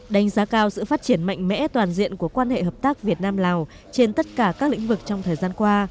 đánh giá cao sự phát triển mạnh mẽ toàn diện của quan hệ hợp tác việt nam lào trên tất cả các lĩnh vực trong thời gian qua